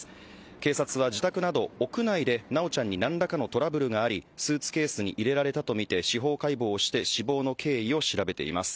警察は自宅など屋内で修ちゃんに何らかのトラブルがありスーツケースに入れられたとみて司法解剖をして死亡の経緯を調べています。